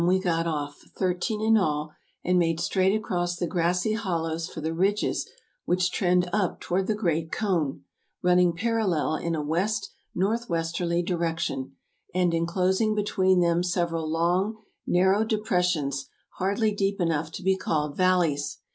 we got off, thirteen in all, and made straight across the grassy hollows for the ridges which trend up toward the great cone, running parallel in a west northwesterly direction, and enclosing between them several long, narrow depressions, hardly deep enough to be called valleys.